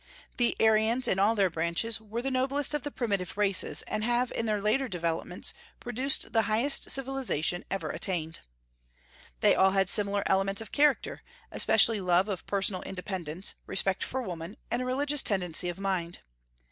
The Aryans in all their branches were the noblest of the primitive races, and have in their later developments produced the highest civilization ever attained. They all had similar elements of character, especially love of personal independence, respect for woman, and a religious tendency of mind.